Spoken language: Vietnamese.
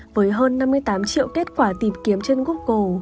với hơn năm mươi tám triệu kết quả tìm kiếm trên google